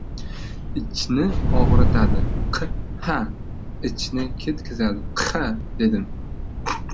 — Ichni og‘ritadi, q-ha! Ichni ketkizadi, q-ha! — dedim.